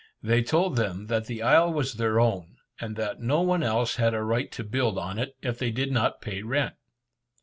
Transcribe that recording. They told them that the isle was their own, and that no one else had a right to build on it, if they did not pay rent.